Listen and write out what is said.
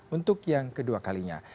untuk yang kedua kalinya